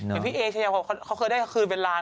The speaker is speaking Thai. เห็นพี่เขาได้เหมือนมถึงชื่นเป็นล้าน